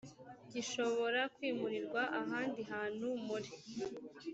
gishobora kwimurirwa ahandi hantu muri